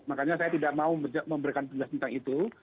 makanya saya tidak mau memberikan penjelasan tentang itu